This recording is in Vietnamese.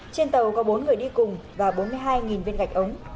trên tàu có bốn người đi cùng và bốn mươi hai viên gạch ống